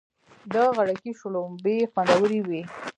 د غړکی شلومبی خوندوری وی.